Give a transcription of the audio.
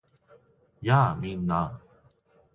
やあ！みんな